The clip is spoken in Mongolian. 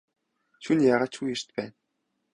Шөнө яагаа ч үгүй эрт байна.